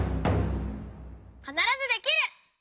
「かならずできる！」。